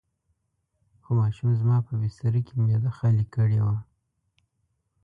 خو ماشوم زما په بستره کې معده خالي کړې وه.